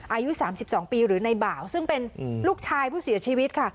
อายุ๓๒ปีหรือในบ่าวซึ่งเป็นลูกชายผู้เสียชีวิตค่ะ